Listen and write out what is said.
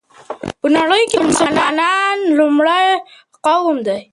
په نړۍ كې مسلمانان لومړى قوم دى